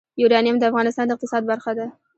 یورانیم د افغانستان د اقتصاد برخه ده.